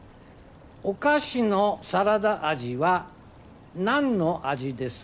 「お菓子のサラダ味はなんの味ですか？」